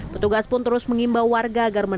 petugas pun terus mengimbau warga agar menerapkan pandemi